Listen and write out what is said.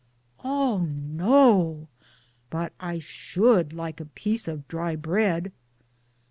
"" Oh no ! but I should like a piece of dry bread."